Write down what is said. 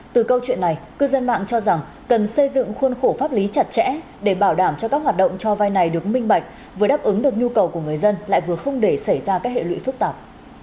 từ câu chuyện này cư dân mạng cho rằng cần xây dựng khuôn khổ pháp lý chặt chẽ để bảo đảm cho các hoạt động cho vai này được minh bạch vừa đáp ứng được nhu cầu của người dân lại vừa không để xảy ra các hệ lụy phức tạp